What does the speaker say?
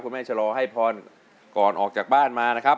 แม่ชะลอให้พรก่อนออกจากบ้านมานะครับ